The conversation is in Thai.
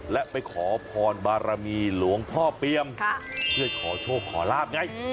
และไปขอพรบารมีหลวงพ่อเปียมเพื่อขอโชคขอลาบไง